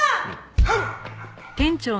はい。